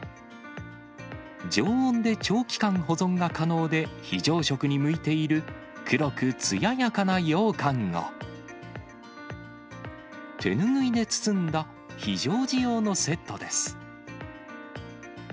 常温で長期間保存が可能で、非常食に向いている、黒くつややかなようかんを、手拭いで包んだ、非常時用のセットです。